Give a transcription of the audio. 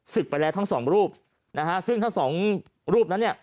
ศึกไปแล้วทั้งสองรูปซึ่งทั้งสองรูปนั้น